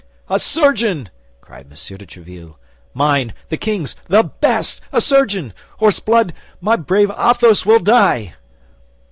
"A surgeon!" cried M. de Tréville, "mine! The king's! The best! A surgeon! Or, s'blood, my brave Athos will die!"